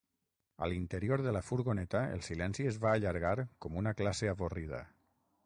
A l'interior de la furgoneta el silenci es va allargar com una classe avorrida.